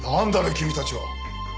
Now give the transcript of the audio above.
君たちは。